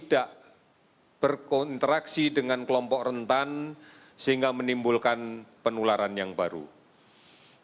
dan kemudian dilaksanakan kelas penularan yang kemudian ditambahkan kelas penularan